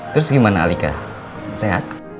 terus gimana alika sehat